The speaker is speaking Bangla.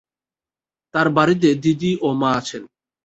তার বাড়িতে দিদি ও মা আছেন।